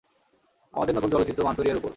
আমাদের নতুন চলচ্চিত্র মাঞ্চুরিয়ার উপর।